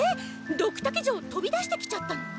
ドクタケ城とび出してきちゃったの！？